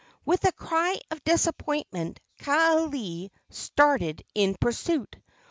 With a cry of disappointment, Kaaialii started in pursuit.